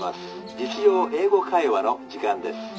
『実用英語会話』の時間です。